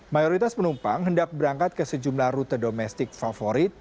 mayoritas penumpang hendak berangkat ke sejumlah rute domestik favorit